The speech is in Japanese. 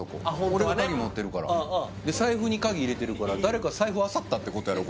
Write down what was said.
俺が鍵持ってるから財布に鍵入れてるから誰か財布あさったってことやろ